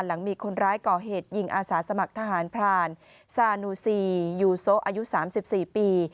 หลังมีคนร้ายก่อเหตุยิงอาสาสมัครทหารพรานซานูซียูโซอายุ๓๔ปี